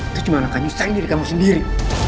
aku cuma langkah nyusahin diri kamu sendiri